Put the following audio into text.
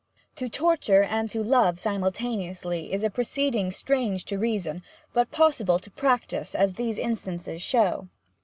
To torture and to love simultaneously is a proceeding strange to reason, but possible to practice, as these instances show.